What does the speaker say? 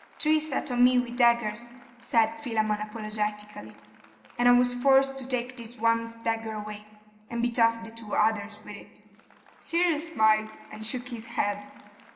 'Three set on me with daggers,' said Philammon, apologetically, 'and I was forced to take this one's dagger away, and beat off the two others with it.' Cyril smiled, and shook his head.